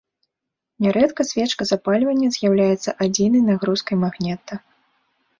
Нярэдка свечка запальвання з'яўляецца адзінай нагрузкай магнета.